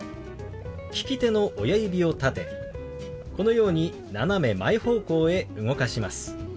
利き手の親指を立てこのように斜め前方向へ動かします。